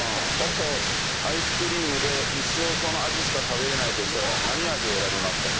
アイスクリームで一生その味しか食べれないとしたら何味を選びますか？